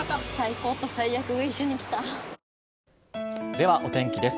ではお天気です。